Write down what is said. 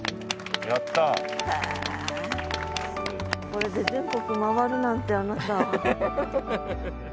これで全国回るなんてあなた。